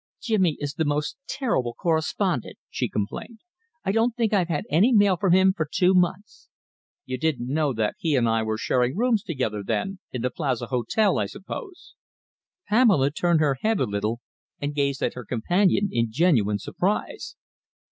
"Jimmy is the most terrible correspondent," she complained. "I don't think I've had any mail from him for two months." "You didn't know that he and I were sharing rooms together, then, in the Plaza Hotel, I suppose?" Pamela turned her head a little and gazed at her companion in genuine surprise.